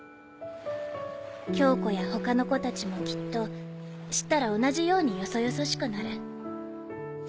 恭子や他の子たちもきっと知ったら同じようによそよそしくなる。